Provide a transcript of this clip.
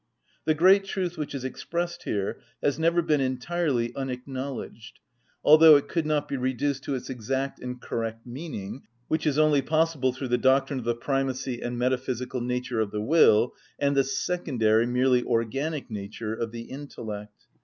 The great truth which is expressed here has never been entirely unacknowledged, although it could not be reduced to its exact and correct meaning, which is only possible through the doctrine of the primacy and metaphysical nature of the will and the secondary, merely organic nature of the intellect.